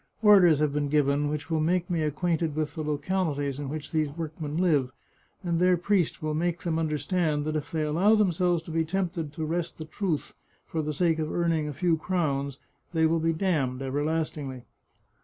Orders have been given which will make me acquainted with the localities in which these workmen live, and their priest will make them understand that if they allow themselves to be tempted to wrest the truth, for the sake of earning a few crowns, they will be damned everlastingly."